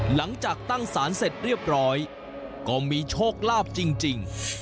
หลังจากตั้งสารเสร็จเรียบร้อยก็มีโชคลาภจริง